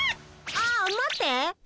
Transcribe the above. ああ待って。